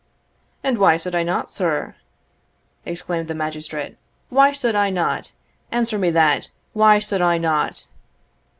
"And why suld I not, sir?" exclaimed the magistrate "Why suld I not? Answer me that why suld I not?"